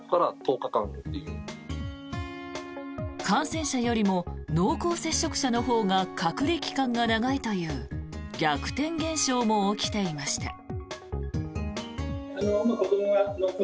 感染者よりも濃厚接触者のほうが隔離期間が長いという逆転現象も起きていました。